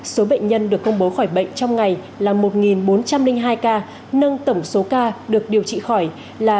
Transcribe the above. số bệnh nhân được công bố khỏi bệnh trong ngày là một bốn trăm linh hai ca nâng tổng số ca được điều trị khỏi là bảy trăm năm mươi tám bốn trăm tám mươi tám ca